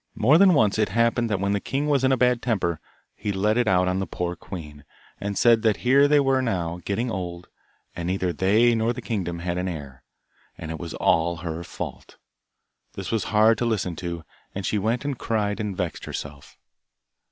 More than once it happened that when the king was in a bad temper, he let it out on the poor queen, and said that here they were now, getting old, and neither they nor the kingdom had an heir, and it was all her fault. This was hard to listen to, and she went and cried and vexed herself.